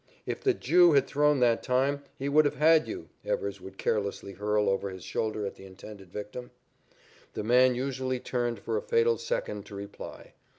"If the Jew had thrown that time, he would have had you," Evers would carelessly hurl over his shoulder at the intended victim. The man usually turned for a fatal second to reply.